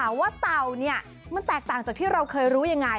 ว่าเต่าเนี่ยมันแตกต่างจากที่เราเคยรู้ยังไง